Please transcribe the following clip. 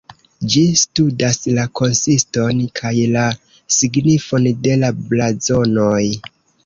Ĝi studas la konsiston kaj la signifon de la blazonoj.